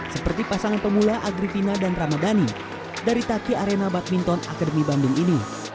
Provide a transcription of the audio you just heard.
seperti pasangan pemula agrifina dan ramadhani dari taki arena badminton akademi bandung ini